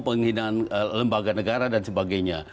penghinaan lembaga negara dan sebagainya